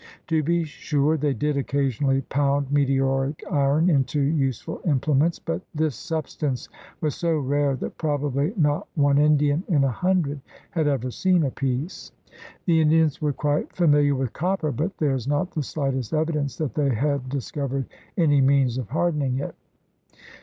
To be sure, they did occasionally pound meteoric iron into useful implements, but this substance was so rare that probably not one Indian in a hundred had ever seen a piece. The Indians were quite familiar with copper, but there is not the slightest evidence that they had dis covered any means of hardening it.